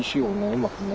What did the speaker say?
うまくね